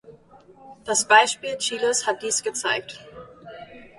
Das Beispiel Chiles hat dies gezeigt.